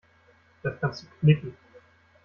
Das kannst du knicken.